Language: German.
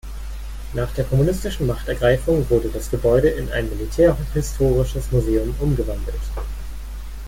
Nach der kommunistischen Machtergreifung wurde das Gebäude in ein militärhistorisches Museum umgewandelt.